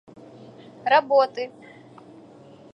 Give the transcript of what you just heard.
работы